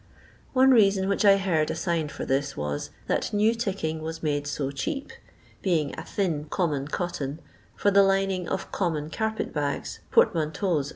One reason which I heard assigned for this was, that new ticking was made so cheap (being a thin common cotton, for the lining of common carpet bags, portmanteaus, &c.